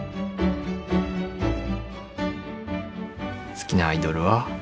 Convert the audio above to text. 好きなアイドルは。